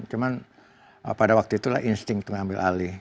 cuma pada waktu itulah insting pengambil alih